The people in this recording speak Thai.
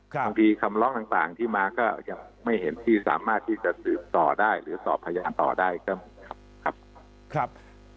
บางทีคำร้องต่างที่มาก็ยังไม่เห็นที่สามารถที่จะสืบต่อได้หรือสอบพยานต่อได้ก็มีครับ